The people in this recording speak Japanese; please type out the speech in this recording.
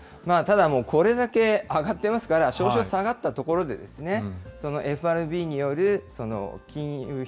ただ、もうこれだけ上がってますから、少々、下がったところでですね、ＦＲＢによる金融